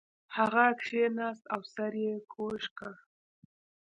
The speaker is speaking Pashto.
هغه کښیناست او سر یې کږ کړ